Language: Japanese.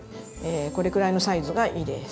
これくらいのサイズがいいです。